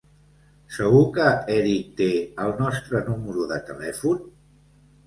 Segur que Erik té el nostre número de telèfon?